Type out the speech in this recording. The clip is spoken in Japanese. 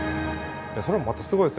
それもまたすごいですね。